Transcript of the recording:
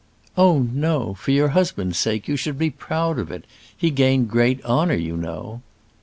"Oh, no; for your husband's sake you should be proud of it. He gained great honour, you know."